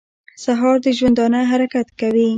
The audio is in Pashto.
سهار د ژوندانه حرکت کوي.